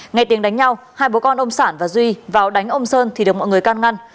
nghe tiếng đánh nhau hai bố con ông sản và duy vào đánh ông sơn thì được mọi người can ngăn